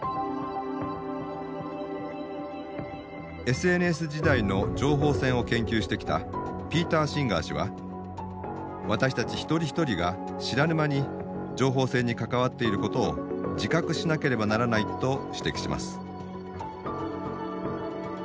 ＳＮＳ時代の情報戦を研究してきたピーター・シンガー氏は私たち一人一人が知らぬ間に情報戦に関わっていることを自覚しなければならないと指摘します。